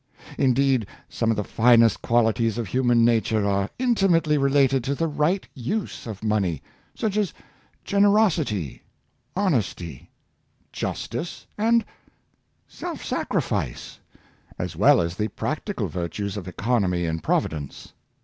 Indeed, some of the finest qualities of human nature are intimately related to the right use of money — such as generosity, honesty, justice, and self sacrifice, as well as the practical virtues of economy and providence.